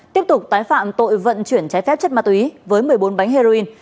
tiếp tục tái phạm tội vận chuyển trái phép chất ma túy với một mươi bốn bánh heroin